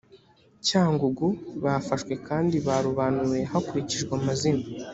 cyangugu bafashwe kandi barobanuwe hakurikijwe amazina